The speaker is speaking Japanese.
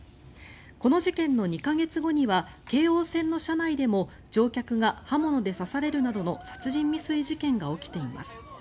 この事件の２か月後には京王線の車内でも乗客が刃物で刺されるなどの殺人未遂事件が起きています。